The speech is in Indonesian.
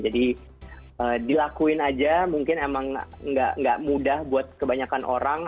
jadi dilakuin aja mungkin emang nggak mudah buat kebanyakan orang